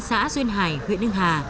hà duyên hải huyện ninh hà